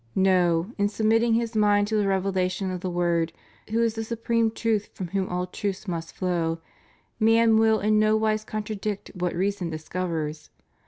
No! in submitting his mind to the revelation of the Word, who is the supreme truth from whom all truths must flow, man will in no wise contradict what reason discovers.